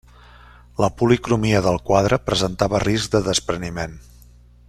La policromia del quadre presentava risc de despreniment.